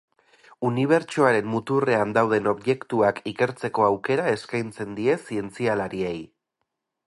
Unibertsoaren muturrean dauden objektuak ikertzeko aukera eskaintzen die zientzialariei.